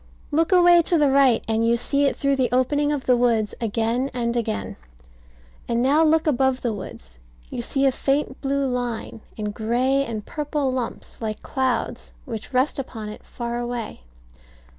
Look away to the right, and you see it through the opening of the woods again and again: and now look above the woods. You see a faint blue line, and gray and purple lumps like clouds, which rest upon it far away.